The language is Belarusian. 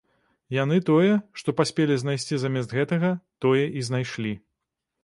Яны тое, што паспелі знайсці замест гэтага, тое і знайшлі.